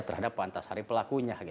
terhadap pak antasari pelakunya